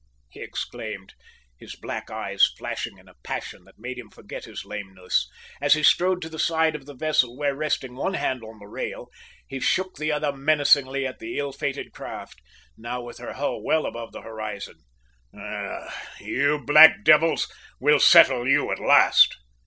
he exclaimed, his black eyes flashing into a passion that made him forget his lameness, as he strode to the side of the vessel, where, resting one hand on the rail, he shook the other menacingly at the ill fated craft, now with her hull well above the horizon. "Ah, you black devils, we'll settle you at last!"